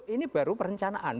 ini baru perencanaan